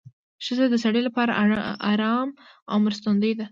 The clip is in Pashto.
ښځه د سړي لپاره اړم او مرستندویه ده